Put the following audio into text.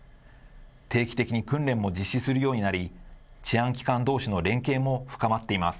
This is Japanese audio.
定期的に訓練も実施するようになり、治安機関どうしの連携も深まっています。